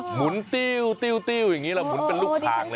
หมุนติ้วอย่างนี้แหละหมุนเป็นลูกถักเลยนะครับ